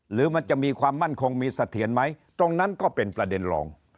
หรือมันจะมีความมั่นคงมีเสถียรไหมตรงนั้นก็เป็นประเด็นรอง